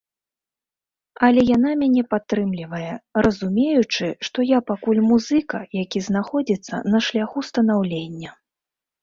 Але яна мяне падтрымлівае, разумеючы, што я пакуль музыка, які знаходзіцца на шляху станаўлення.